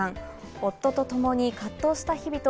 夫とともに葛藤した日々と、